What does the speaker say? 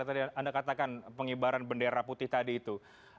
tadi anda katakan pengibaran bendera putih tadi itu